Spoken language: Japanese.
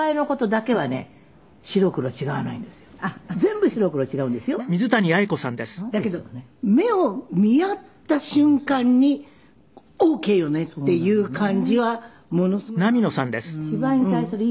だけど目を見合った瞬間にオーケーよねっていう感じはものすごいあるの。